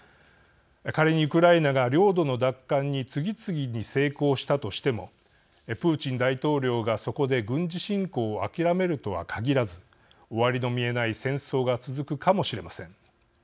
仮にウクライナが領土の奪還に次々に成功したとしてもプーチン大統領が、そこで軍事侵攻を諦めるとは限らず終わりの見えない戦争が続くかもしれません。